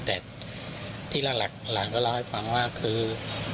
แต่ที่หลักหลานก็เล่าให้ฟังว่าคือ